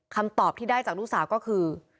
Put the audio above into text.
คำตอบที่ได้จากลูกสาวก็คือ